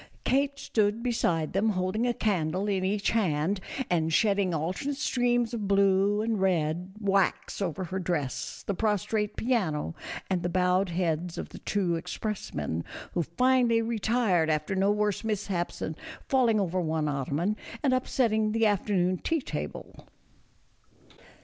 Kate stood beside them holding a candle in each hand, and shedding alternate streams of blue and red wax over her dress, the prostrate piano, and the bowed heads of the two expressmen, who finally retired after no worse mishaps than falling over one ottoman and upsetting the afternoon tea table.